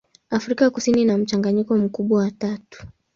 Afrika Kusini ina mchanganyiko mkubwa wa watu.